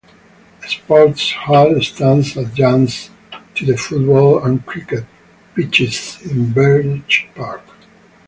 A sports hall stands adjacent to the football and cricket pitches in Birch Park.